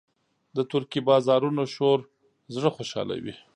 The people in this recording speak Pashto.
د ترکي بازارونو شور زړه خوشحالوي.